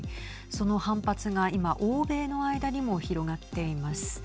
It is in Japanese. その反発が今欧米の間にも広がっています。